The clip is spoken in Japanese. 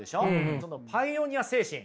そのパイオニア精神。